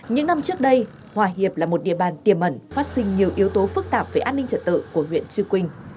những năm trước đây hòa hiệp là một địa bàn tiềm ẩn phát sinh nhiều yếu tố phức tạp về an ninh trật tự của huyện chư quynh